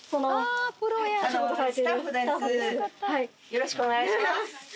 よろしくお願いします。